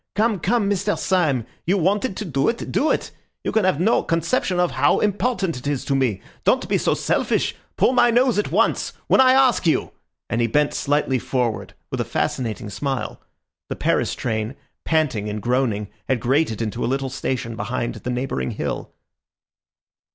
"Come, come, Mr. Syme! You wanted to do it, do it! You can have no conception of how important it is to me. Don't be so selfish! Pull my nose at once, when I ask you!" and he bent slightly forward with a fascinating smile. The Paris train, panting and groaning, had grated into a little station behind the neighbouring hill.